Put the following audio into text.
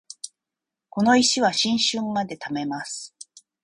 この石は新春まで貯めます